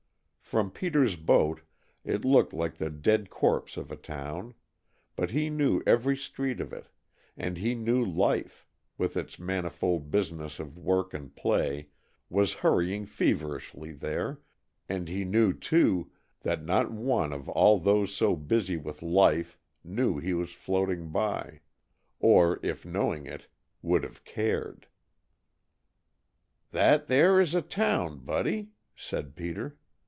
From Peter's boat it looked like the dead corpse of a town, but he knew every street of it, and he knew Life, with its manifold business of work and play, was hurrying feverishly there, and he knew, too, that not one of all those so busy with Life knew he was floating by, or if knowing it, would have cared. "That there is a town, Buddy," said Peter.